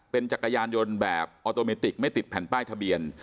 เป็นจักรยานยนต์แบบออโตเมติกไม่ติดแผ่นป้ายทะเบียน